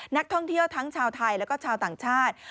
นักท่องเที่ยวทั้งชาวไทยแล้วก็ชาวต่างชาติ